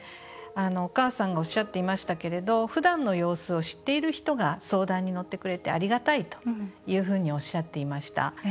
お母さんがおっしゃっていましたけどふだんの様子を知っている人が相談に乗ってくれてありがたいというふうにおっしゃっていました。